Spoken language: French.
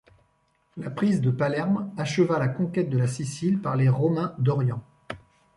La prise de Palerme acheva la conquête de la Sicile par les Romains d'Orient.